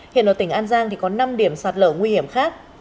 hiện ở tỉnh an giang thì có năm điểm sạt lở nguy hiểm khác